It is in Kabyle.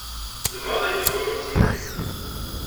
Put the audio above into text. Zemreɣ ad ak-d-awiɣ imsujji.